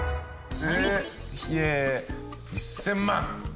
ええ１０００万。